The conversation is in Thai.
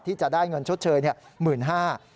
ที่จะได้เงินชดเชย๑๕๐๐บาท